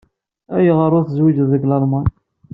Ayɣer ur tezwijeḍ deg Lalman?